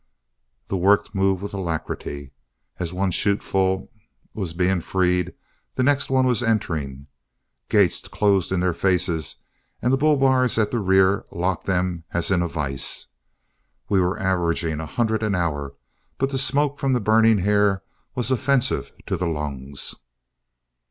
The work moved with alacrity. As one chuteful was being freed the next one was entering. Gates closed in their faces and the bull bars at the rear locked them as in a vice. We were averaging a hundred an hour, but the smoke from the burning hair was offensive to the lungs.